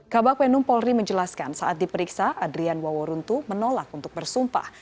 kabupaten numpolri menjelaskan saat diperiksa adrian waworuntu menolak untuk bersumpah